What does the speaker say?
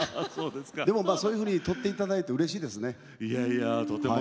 でもそういうふうにとってもらって、うれしいです。